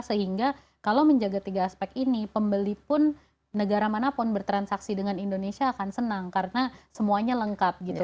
sehingga kalau menjaga tiga aspek ini pembeli pun negara manapun bertransaksi dengan indonesia akan senang karena semuanya lengkap gitu